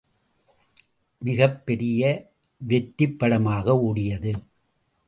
மிகப்பெரிய வெற்றிப்படமாக ஒடியது.